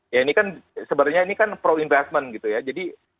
ya ini kan sebenarnya ini kan pro investment gitu ya